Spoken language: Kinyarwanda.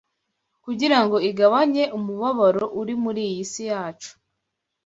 kugira ngo igabanye umubabaro uri muri iyi si yacu,